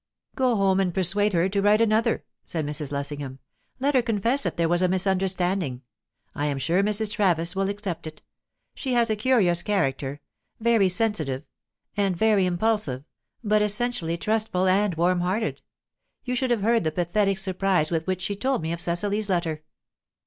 "Go home and persuade her to write another," said Mrs. Lessingham. "Let her confess that there was a misunderstanding. I am sure Mrs. Travis will accept it. She has a curious character; very sensitive, and very impulsive, but essentially trustful and warm hearted. You should have heard the pathetic surprise with which she told me of Cecily's letter."